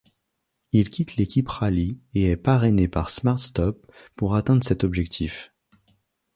Il quitte l'équipe Rally et est parrainé par SmartStop pour atteindre cet objectif.